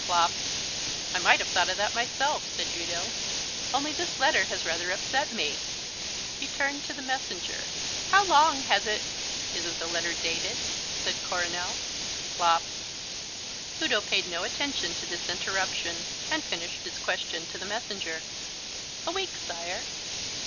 (Plop.) "I might have thought of that myself," said Udo, "only this letter has rather upset me." He turned to the messenger. "How long has it ?" "Isn't the letter dated?" said Coronel. (Plop.) Udo paid no attention to this interruption and finished his question to the messenger. "A week, sire."